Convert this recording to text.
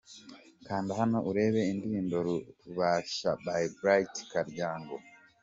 Kanda hano urebe indirimbo Rubasha by Bright Karyango.